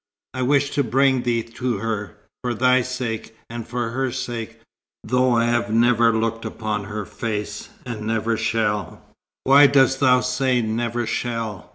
I wished to bring thee to her, for thy sake, and for her sake, though I have never looked upon her face and never shall " "Why dost thou say 'never shall'?"